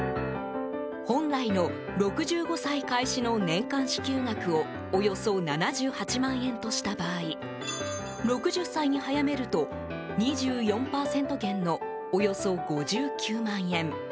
本来の６５歳開始の年間支給額をおよそ７８万円とした場合６０歳に早めると２４％減のおよそ５９万円。